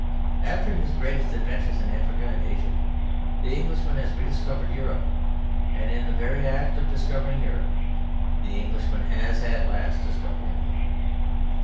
After his great adventures in Africa and Asia, the Englishman has re discovered Europe; and in the very act of discovering Europe, the Englishman has at last discovered England.